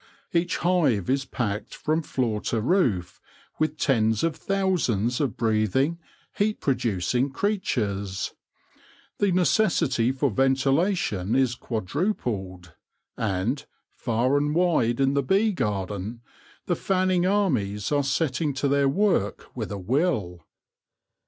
Each hive is packed from floor to roof with tens of thousands of breathing, heat producing creatures : the necessity for ventila tion is quadrupled, and, far and wide in the bee garden, the fanning armies are setting to their work with a will.